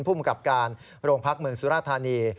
ภูมิกับการโรงพักเมืองสุราธานี